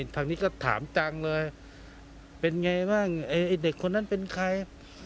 ทางนี้ก็ถามจังเลยเป็นไงบ้างไอ้เด็กคนนั้นเป็นใคร